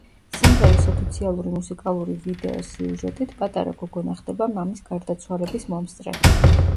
სიმღერის ოფიციალური მუსიკალური ვიდეოს სიუჟეტით, პატარა გოგონა ხდება მამის გარდაცვალების მომსწრე.